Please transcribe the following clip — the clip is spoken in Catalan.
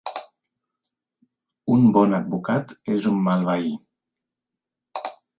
Un bon advocat és un mal veí